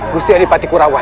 gusti adipati kurawan